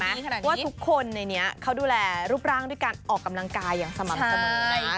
แต่สังเกตไหมว่าทุกคนในนี้เขาดูแลรูปร่างด้วยการออกกำลังกายอย่างสม่ำสมมุตินะ